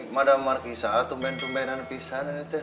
mada marissa tumben tumbenan pisah nih teh